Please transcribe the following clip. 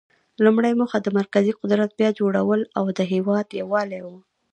لومړۍ موخه د مرکزي قدرت بیا جوړول او د هیواد یووالی و.